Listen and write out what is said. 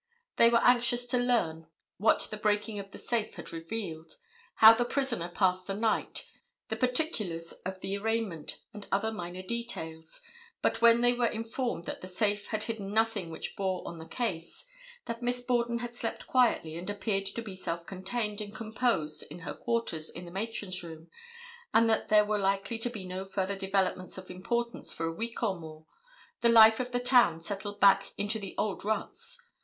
They were anxious to learn what the breaking of the safe had revealed, how the prisoner passed the night, the particulars of the arraignment and other minor details, but when they were informed that the safe had hidden nothing which bore on the case, that Miss Borden had slept quietly and appeared to be self contained and composed in her quarters in the matron's room, and that there were likely to be no further developments of importance for a week or more, the life of the town settled back into the old ruts.